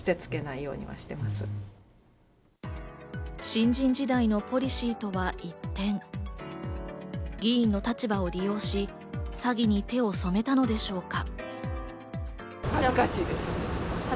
新人時代のポリシーとは一転、議員の立場を利用し、詐欺に手を染めたのでしょうか？